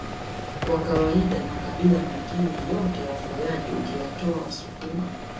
Kwa kawaida makabila mengine yote ya wafugaji ukiwatoa wasukuma